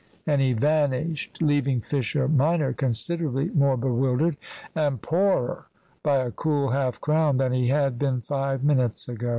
And he vanished, leaving Fisher minor considerably more bewildered, and poorer by a cool half crown, than he had been five minutes ago.